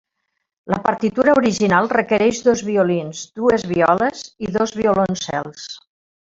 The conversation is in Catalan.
La partitura original requereix dos violins, dues violes i dos violoncels.